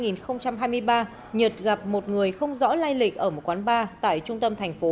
năm hai nghìn hai mươi ba nhật gặp một người không rõ lai lịch ở một quán bar tại trung tâm thành phố